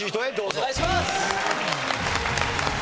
お願いします！